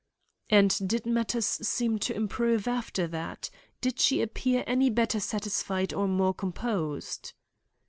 "And did matters seem to improve after that? Did she appear any better satisfied or more composed?"